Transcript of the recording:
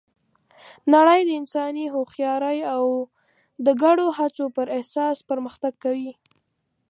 نړۍ د انساني هوښیارۍ او د ګډو هڅو پر اساس پرمختګ کوي.